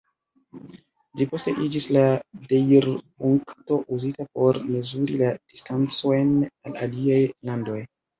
Ĝi poste iĝis la deirpunkto uzita por mezuri la distancojn al aliaj landoj.